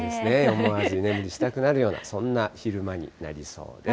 思わず居眠りしたくなるような、そんな昼間になりそうです。